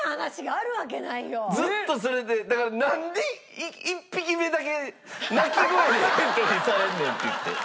だからなんで１匹目だけ鳴き声でエントリーされんねんって言って。